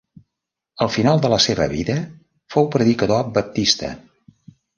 Al final de la seva vida fou predicador baptista.